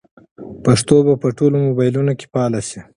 پښتو به په ټولو موبایلونو کې فعاله شي.